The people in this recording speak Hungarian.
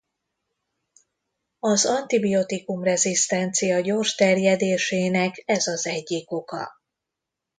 Az antibiotikum-rezisztencia gyors terjedésének ez az egyik oka.